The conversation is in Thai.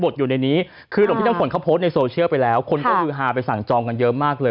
อเรนนี่อันนี้คิดเองใช่มั้ย